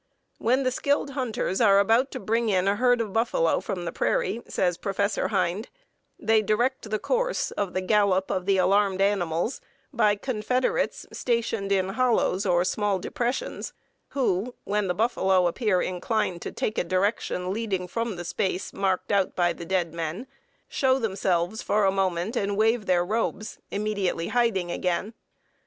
"] "When the skilled hunters are about to bring in a herd of buffalo from the prairie," says Professor Hind, "they direct the course of the gallop of the alarmed animals by confederates stationed in hollows or small depressions, who, when the buffalo appear inclined to take a direction leading from the space marked out by the 'dead men,' show themselves for a moment and wave their robes, immediately hiding again.